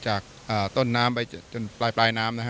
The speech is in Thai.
จากต้นน้ำไปจนปลายน้ำนะฮะ